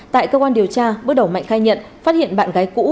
tại cơ quan điều tra bước đầu mạnh khai nhận phát hiện bạn gái cũ